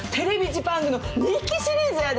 ジパングの人気シリーズやで。